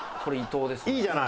いいじゃない。